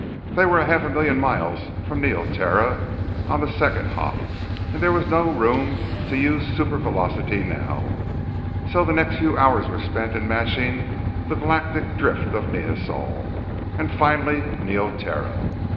They were a half million miles from Neoterra on the second hop, and there was no room to use supervelocity now, so the next few hours were spent in matching the galactic drift of Neosol, and finally Neoterra.